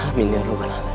amin ya rukh alamin